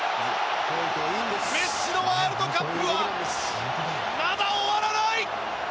メッシのワールドカップはまだ終わらない！